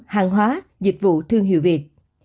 hàng hóa dịch vụ thương hiệu việt